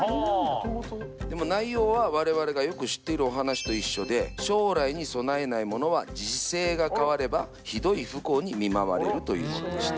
でも内容は我々がよく知っているお話と一緒で「将来に備えない者は時勢が変わればひどい不幸に見舞われる」というものでした。